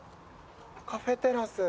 カフェテラス。